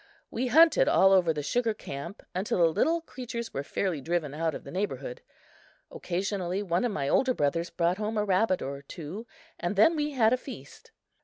We hunted all over the sugar camp, until the little creatures were fairly driven out of the neighborhood. Occasionally one of my older brothers brought home a rabbit or two, and then we had a feast.